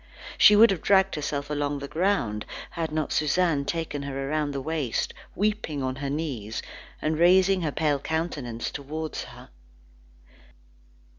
She would have dragged herself along the ground, had not Suzanne taken her round the waist, weeping on her knees, and raising her pale countenance towards her.